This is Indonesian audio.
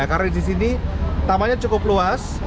karena di sini tamannya cukup luas